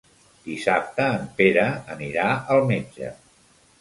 Dissabte en Pere anirà al metge.